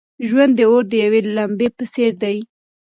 ژوند د اور د یوې لمبې په څېر دی.